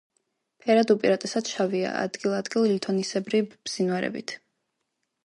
ფერად უპირატესად შავია, ადგილ-ადგილ ლითონისებრი ბზინვარებით.